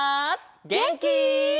げんき？